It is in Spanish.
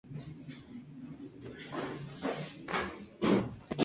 Ellos emigraron a países como Polonia, donde eran protegidos por la ley.